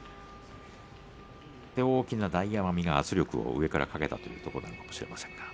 大きな大奄美が圧力を上からかけたということかもしれません。